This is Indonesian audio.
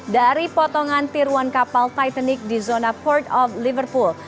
dari potongan tiruan kapal titanic di zona port of liverpool